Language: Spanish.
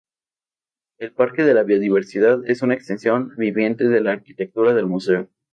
El Parque de la Biodiversidad es una extensión viviente de la arquitectura del museo.